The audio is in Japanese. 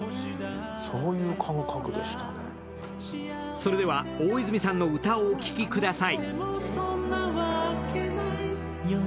それでは、大泉さんの歌をお聴きください。